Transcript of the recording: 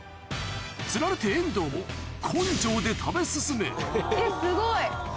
釣られて遠藤も根性で食べ進めすごい。